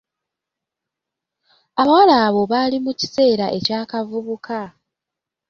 Abawala abo bali mu kiseera ekya kaabuvubuka.